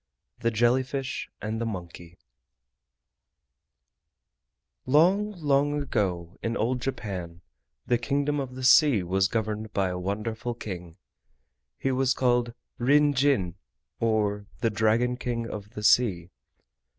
THE JELLY FISH AND THE MONKEY Long, long ago, in old Japan, the Kingdom of the Sea was governed by a wonderful King. He was called Rin Jin, or the Dragon King of the Sea.